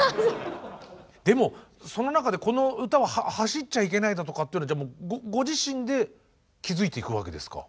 でもその中でこの歌は走っちゃいけないだとかっていうのはご自身で気付いていくわけですか？